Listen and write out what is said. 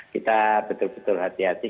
kita betul betul hati hati